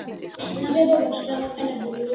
ნაგებობაში გამოყენებული იყო გამომწვარი აგური და ალიზი.